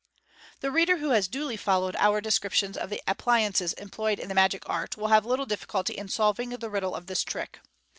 The reader who has duly followed our descriptions of the appli ■nces employed in the magic art will have little difficulty in solving the riddle of this trick.